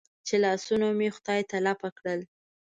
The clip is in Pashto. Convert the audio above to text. چې لاسونه مې خدای ته لپه کړل.